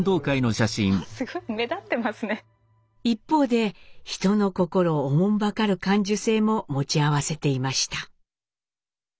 一方で人の心を慮る感受性も持ち合わせていました。